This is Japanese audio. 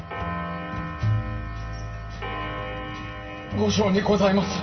後生にございます！